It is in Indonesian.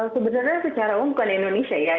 sebenarnya secara umum bukan di indonesia ya